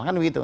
kan di sini